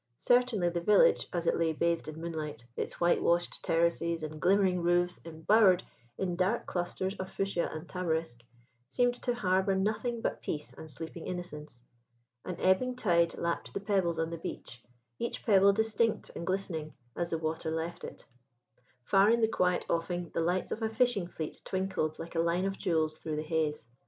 Certainly the village, as it lay bathed in moonlight, its whitewashed terraces and glimmering roofs embowered in dark clusters of fuchsia and tamarisk, seemed to harbour nothing but peace and sleeping innocence. An ebbing tide lapped the pebbles on the beach, each pebble distinct and glistening as the water left it. Far in the quiet offing the lights of a fishing fleet twinkled like a line of jewels through the haze.